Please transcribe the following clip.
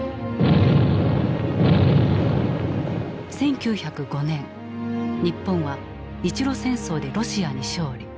１９０５年日本は日露戦争でロシアに勝利。